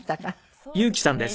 そうですね。